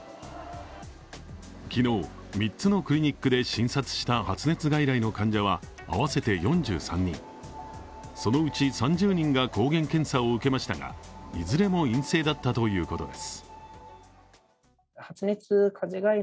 昨日、３つのクリニックで診察した発熱外来の患者は合わせて４３人、そのうち３０人が抗原検査を受けましたがいずれも陰性だったということです。